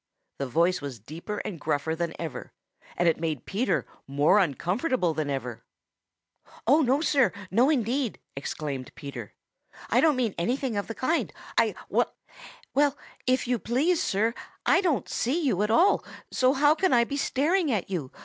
The voice was deeper and gruffer than ever, and it made Peter more uncomfortable than ever. "Oh, no, Sir! No, indeed!" exclaimed Peter. "I don't mean anything of the kind. I I well, if you please, Sir, I don't see you at all, so how can I be staring at you?